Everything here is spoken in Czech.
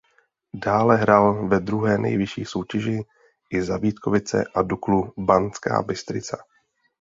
Dále hrál ve druhé nejvyšší soutěži i za Vítkovice a Duklu Banská Bystrica.